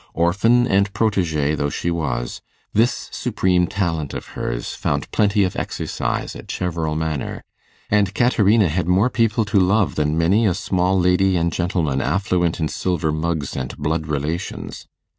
Orphan and protegée though she was, this supreme talent of hers found plenty of exercise at Cheverel Manor, and Caterina had more people to love than many a small lady and gentleman affluent in silver mugs and blood relations.